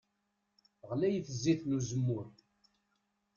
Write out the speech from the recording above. Ɣlayet zzit n uzemmur.